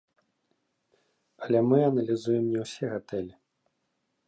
Але мы аналізуем не ўсе гатэлі.